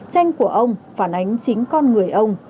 tranh của ông phản ánh chính con người ông